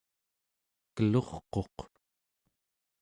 kelurquq